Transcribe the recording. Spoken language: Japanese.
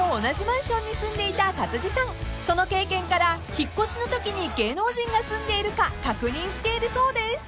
［その経験から引っ越しのときに芸能人が住んでいるか確認しているそうです］